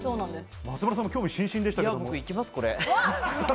松丸さんも興味津々でしたね。